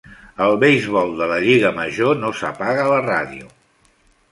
Al beisbol de la lliga major, no s'apaga la ràdio.